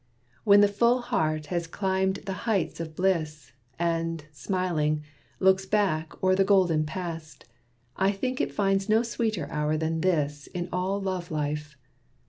When the full heart has climbed the heights of bliss, And, smiling, looks back o'er the golden past, I think it finds no sweeter hour than this In all love life.